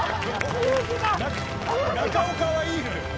中岡はいいのよ。